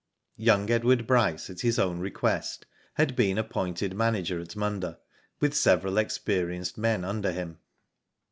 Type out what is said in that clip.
Young Edward Bryce, at his own request, had been appointed manager at Munda, with several experienced men under him.